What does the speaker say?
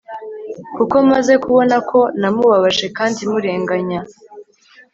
kuko maze kubona ko namubabaje kandi murenganya